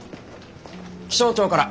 気象庁から。